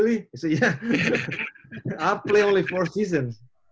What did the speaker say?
aku main hanya empat season